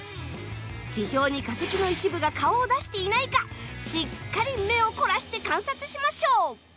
地表に化石の一部が顔を出していないかしっかり目を凝らして観察しましょう。